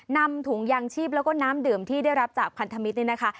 นำถุงยางชีพแล้วก็น้ำดื่มที่ได้รับจากพันธมิตรนี่นะคะ